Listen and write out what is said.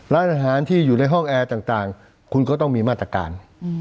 ร้านอาหารที่อยู่ในห้องแอร์ต่างคุณก็ต้องมีมาตรการ